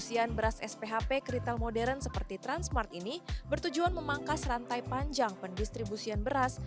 dan penjualan beras sphp ke retail modern seperti transmart ini bertujuan memangkas rantai panjang pendistribusian beras